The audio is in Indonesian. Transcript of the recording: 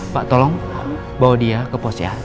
pak tolong bawa dia ke pos ya